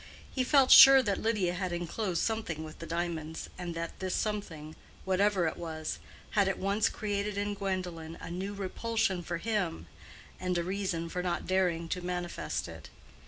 He felt sure that Lydia had enclosed something with the diamonds, and that this something, whatever it was, had at once created in Gwendolen a new repulsion for him and a reason for not daring to manifest it.